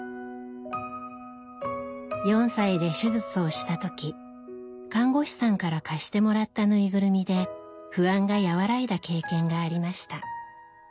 ４歳で手術をした時看護師さんから貸してもらったぬいぐるみで不安が和らいだ経験がありました。